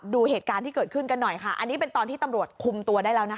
ดูเหตุการณ์ที่เกิดขึ้นกันหน่อยค่ะอันนี้เป็นตอนที่ตำรวจคุมตัวได้แล้วนะคะ